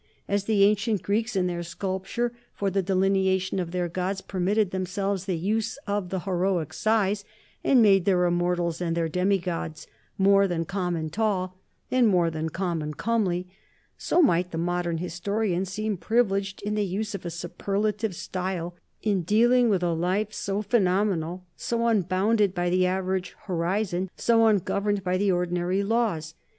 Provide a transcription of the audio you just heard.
As the ancient Greeks, in their sculpture, for the delineation of their gods permitted themselves the use of the heroic size and made their immortals and their demi gods more than common tall, and more than common comely, so might the modern historian seem privileged in the use of a superlative style in dealing with a life so phenomenal, so unbounded by the average horizon, so ungoverned by the ordinary laws.